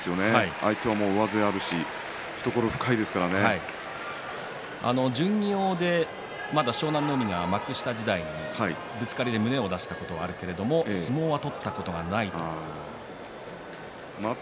相手は上背がありますし巡業で湘南乃海が幕下時代にぶつかりで胸を出したことがあるけれど相撲は取ったことはないと言っています。